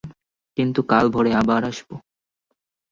কিন্তু কাল ভোরে আবার আসব।